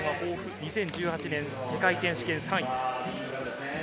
２０１８年、世界選手権３位。